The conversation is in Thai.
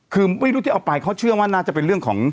คือไม่รู้ที่เอาไปเขาเชื่อว่าน่าจะเป็นเรื่องของ